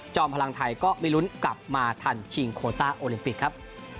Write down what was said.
พลังไทยก็ไม่ลุ้นกลับมาทันชิงโคต้าโอลิมปิกครับ